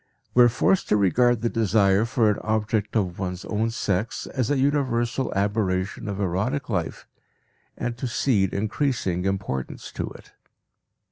We are forced to regard the desire for an object of one's own sex as a universal aberration of erotic life and to cede increasing importance to it.